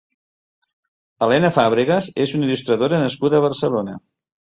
Helena Fàbregas és una il·lustradora nascuda a Barcelona.